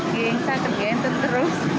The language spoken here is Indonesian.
gengsa kerjaan terus